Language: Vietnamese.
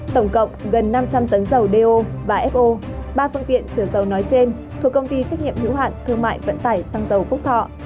tổng cộng gần năm trăm linh tấn dầu do và fo ba phương tiện trở dầu nói trên thuộc công ty trách nhiệm hữu hạn thương mại vận tải xăng dầu phúc thọ